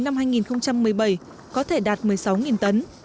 năm hai nghìn một mươi bảy có thể đạt một mươi sáu tấn